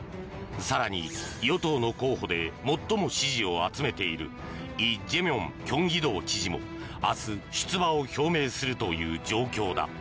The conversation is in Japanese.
更に、与党の候補で最も支持を集めているイ・ジェミョン京畿道知事も明日、出馬を表明するという状況だ。